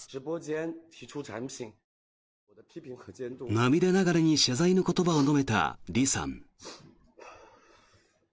涙ながらに謝罪の言葉を述べたリさん。